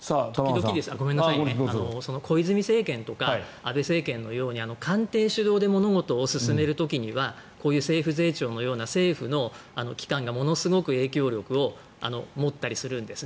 小泉政権とか安倍政権のように官邸主導で物事を進める時にはこういう政府税調のような政府の機関がものすごく影響力を持ったりするんです。